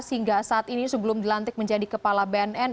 hingga saat ini sebelum dilantik menjadi kepala bnn